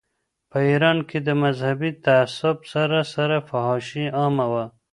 په ایران کې د مذهبي تعصب سره سره فحاشي عامه وه.